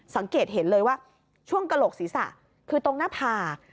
สังเกตเห็นเลยว่าช่วงกระโหลกศีรษะคือตรงหน้าผาก